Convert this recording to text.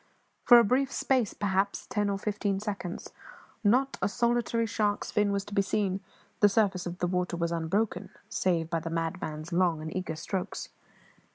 For a brief space, perhaps ten or fifteen seconds, not a solitary shark's fin was to be seen; the surface of the water was unbroken, save by the madman's long and eager strokes.